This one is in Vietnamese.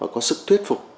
có sức thuyết phục